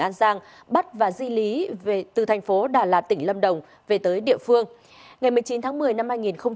an giang bắt và di lý về từ thành phố đà lạt tỉnh lâm đồng về tới địa phương ngày một mươi chín tháng một mươi năm hai nghìn hai mươi